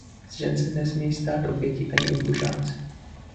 Z žen se nesmějí stát oběti ani ubožáci.